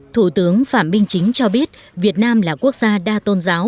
thủ tướng phạm minh chính cho biết việt nam là quốc gia đa tôn giáo